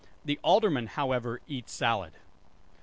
The Alderman, however, eats salad."